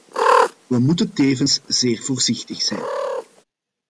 We moeten tevens zeer voorzichtig zijn.